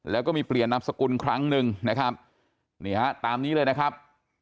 แล้วก็มีเปลี่ยนนามสกุลครั้งหนึ่งนะครับนี่ฮะตามนี้เลยนะครับ